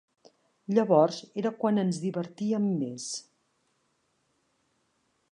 Llavors era quan ens divertíem més.